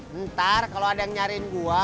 ntar kalau ada yang nyariin gue